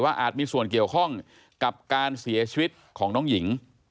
อาจมีส่วนเกี่ยวข้องกับการเสียชีวิตของน้องหญิง